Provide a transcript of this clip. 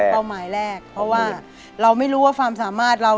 หมายแรกเพราะว่าเราไม่รู้ว่าความสามารถเรา